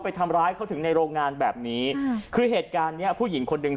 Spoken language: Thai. ทำร้ายเขาถึงในโรงงานแบบนี้คือเหตุการณ์เนี้ยผู้หญิงคนหนึ่ง